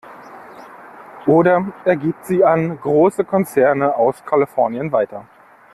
Oder er gibt sie an große Konzerne aus Kalifornien weiter.